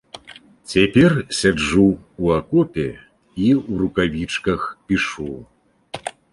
Цяпер сяджу ў акопе і ў рукавічках пішу.